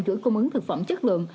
chuỗi công ứng thực phẩm chất lượng